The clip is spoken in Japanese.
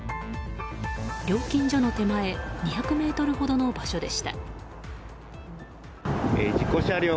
料金所の手前２００ｍほどの場所でした。